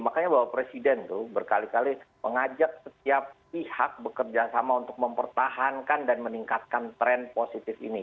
makanya bapak presiden itu berkali kali mengajak setiap pihak bekerja sama untuk mempertahankan dan meningkatkan tren positif ini